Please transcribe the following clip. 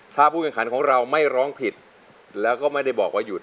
ถ้าผู้แข่งขันของเราไม่ร้องผิดแล้วก็ไม่ได้บอกว่าหยุด